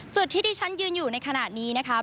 จุดที่ที่ฉันยืนอยู่ในขณะนี้นะครับ